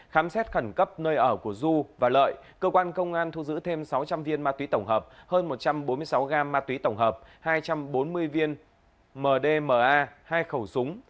khám xét khẩn cấp nơi ở của du và lợi cơ quan công an thu giữ thêm sáu trăm linh viên ma túy tổng hợp hơn một trăm bốn mươi sáu gam ma túy tổng hợp hai trăm bốn mươi viên mdma hai khẩu súng